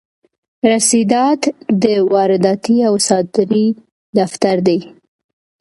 رسیدات د واردې او صادرې دفتر دی.